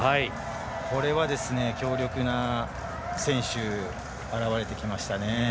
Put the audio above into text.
これは、強力な選手が現れてきました。